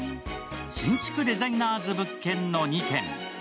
新築デザイナーズ物件の２軒。